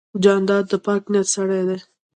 جانداد د پاک نیت سړی دی.